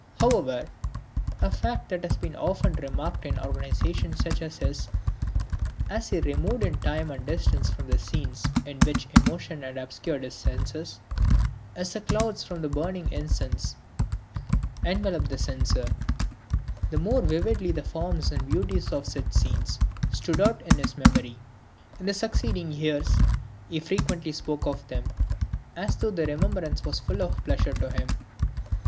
However, (a fact that has been often remarked in organizations such as his,) as he was removed in time and distance from the scenes in which emotion had obscured his senses, as the clouds from the burning incense envelope the censer, the more vividly the forms and beauties of such scenes stood out in his memory. In the succeeding years, he frequently spoke of them, as though the remembrance was full of pleasure to him.